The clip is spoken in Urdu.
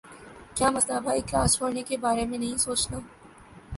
کیا مسلہ بھائی؟ کلاس چھوڑنے کے بارے میں نہیں سوچنا۔